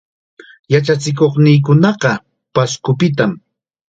Yachachikuqniikunaqa Pascopitam.